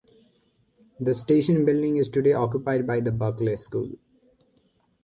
The station building is today occupied by The Berkeley School.